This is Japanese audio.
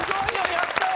やったよ！